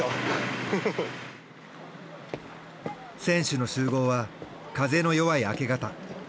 選手の集合は風の弱い明け方。